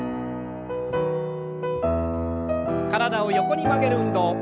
体を横に曲げる運動。